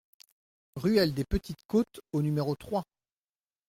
Ruelle des Petites Côtes au numéro trois